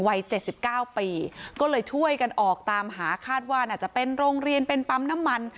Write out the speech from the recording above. วัย๗๙ปีก็เลยช่วยกันออกตามหาคาดว่าน่าจะเป็นโรงเรียนเป็นปั๊มน้ำมัน